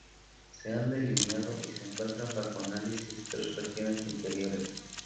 Se han delineado y se encuentran bajo análisis tres regiones interiores.